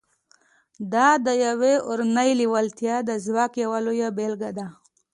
دا د يوې اورنۍ لېوالتیا د ځواک يوه لويه بېلګه ده.